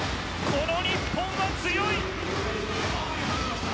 この日本は強い。